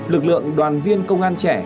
lực lượng đoàn viên công an trẻ